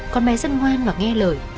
con bé rất ngoan và nghe lời